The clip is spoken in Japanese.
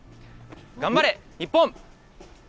頑張れ、日本！